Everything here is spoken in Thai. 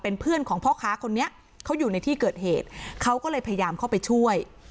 เป็นเพื่อนของพ่อค้าคนนี้เขาอยู่ในที่เกิดเหตุเขาก็เลยพยายามเข้าไปช่วย